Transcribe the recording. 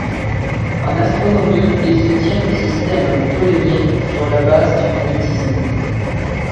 En astronomie, il soutient le système ptoléméen sur la base du magnétisme.